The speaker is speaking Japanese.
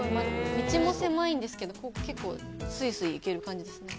道も狭いんですけど、結構スイスイ行ける感じですね。